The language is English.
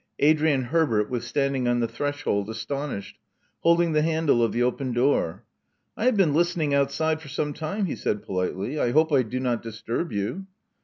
Adrian Herbert was standing on the threshold, astonished, holding the handle of the open door. I have been listening outside for some time," he said politely. '*I hope I do not disturb you."